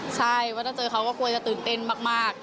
ใช่ว่าถ้าเจอเขาก็กลัวจะตื่นเต้นมาก